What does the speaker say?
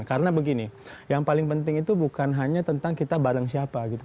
karena begini yang paling penting itu bukan hanya tentang kita bareng siapa gitu